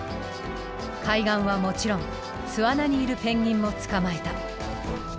海岸はもちろん巣穴にいるペンギンも捕まえた。